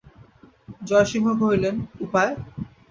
জয়সিংহ কহিলেন, উপায়!